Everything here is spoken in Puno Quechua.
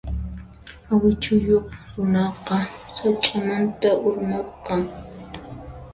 Wach'iyuq runaqa sach'amanta urmaqan.